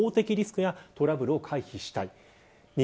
さらには法的リスクやトラブルを回避したい。